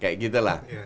kayak gitu lah